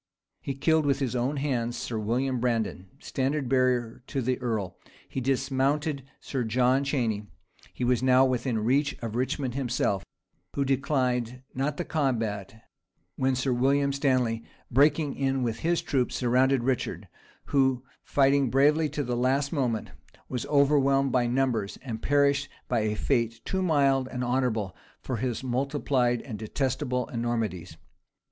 He killed with his own hands Sir William Brandon, standard bearer to the earl: he dismounted Sir John Cheyney: he was now within reach of Richmond himself, who declined not the combat, when Sir William Stanley, breaking in with his troops, surrounded Richard, who, fighting bravely to the last moment, was overwhelmed by numbers, and perished by a fate too mild and honorable for his multiplied and detestable enormities.